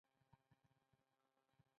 د کولمو د پاکوالي لپاره سنا مکی وکاروئ